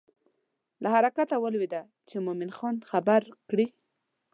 له حرکته ولوېدله چې مومن خان خبر کړي.